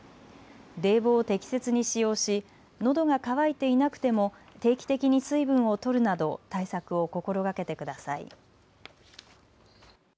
冷房を適切に使用しのどが渇いていなくても定期的に水分をとるなど対策を心がけてください。